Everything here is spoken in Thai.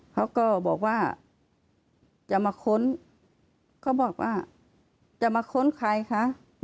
เขาก็บอกว่าจะมาค้นเขาบอกว่าจะมาค้นใครคะ